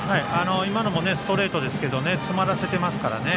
今のもストレートですが詰まらせていますからね。